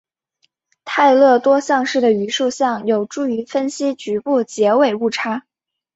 泰勒多项式的余数项有助于分析局部截尾误差。